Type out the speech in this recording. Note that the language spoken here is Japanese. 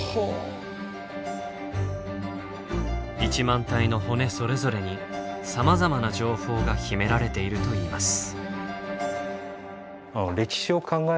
１万体の骨それぞれにさまざまな情報が秘められているといいます。